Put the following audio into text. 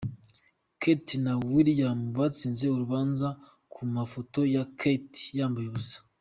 Kate na Wiliyamu batsinze urubanza ku mafoto ya Kate yambaye ubusa